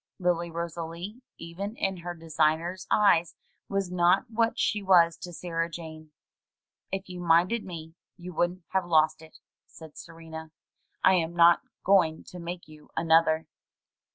Lily Rosalie even in her designer's eyes was not what she was to Sarah Jane. "If you'd minded me you wouldn't have lost it," said Ser ena. "I am not going to make you another."